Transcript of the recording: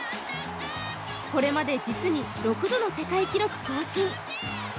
これまで実に６度の世界記録更新。